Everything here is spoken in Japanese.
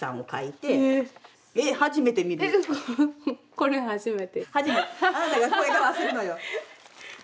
これ初めて。